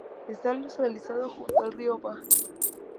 Está localizado junto al río Váh.